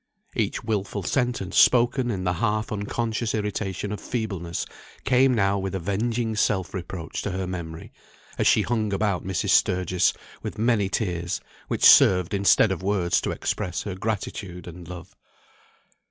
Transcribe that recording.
Each wilful sentence spoken in the half unconscious irritation of feebleness came now with avenging self reproach to her memory, as she hung about Mrs. Sturgis, with many tears, which served instead of words to express her gratitude and love.